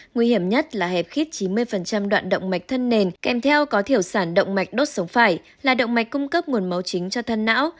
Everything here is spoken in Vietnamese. nguy hiểm nhất là hẹp khít chín mươi đoạn động mạch thân nền kèm theo có thiểu sản động mạch đốt sống phải là động mạch cung cấp nguồn máu chính cho thân não